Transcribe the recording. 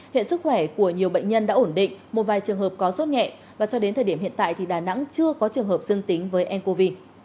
hiện sức khỏe của nhiều bệnh nhân đã ổn định một vài trường hợp có sốt nhẹ và cho đến thời điểm hiện tại thì đà nẵng chưa có trường hợp dương tính với ncov